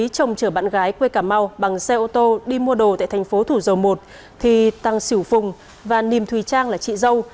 các bạn gái quê cà mau bằng xe ô tô đi mua đồ tại tp hcm thì tăng sửu phùng và nìm thùy trang là chị dâu